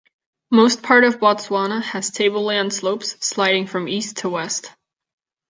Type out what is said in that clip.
Most part of Botswana has tableland slopes sliding from east to west.